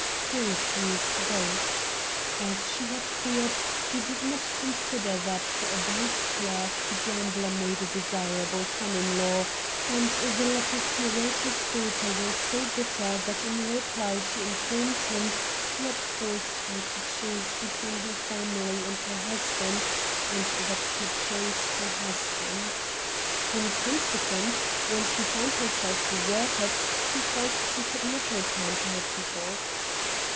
He refused both. As she had feared, he did not consider that for a bank clerk a gambler made a desirable son in law; and the letters he wrote his daughter were so bitter that in reply she informed him he had forced her to choose between her family and her husband, and that she chose her husband. In consequence, when she found herself deserted she felt she could not return to her people.